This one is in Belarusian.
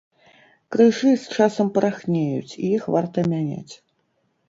Крыжы з часам парахнеюць і іх варта мяняць.